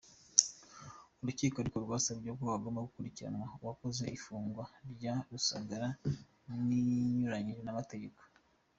Urukiko ariko rwasabye ko hagomba gukurikiranwa uwakoze ifungwa rya Rusagara rinyuranyije n’amategeko.